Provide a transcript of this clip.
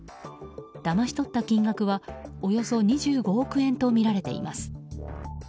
だまし取った金額はおよそ２５億円とみられています。